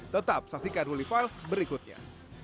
tetap saksikan ruli files berikutnya